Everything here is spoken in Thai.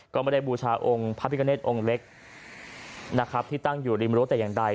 ก็ไม่ได้บูชาองค์พระพิกเนธองค์เล็กนะครับที่ตั้งอยู่ริมรั้วแต่อย่างใด